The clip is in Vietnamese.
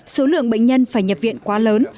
số lượng bệnh nhân phải nhập viện quá lớn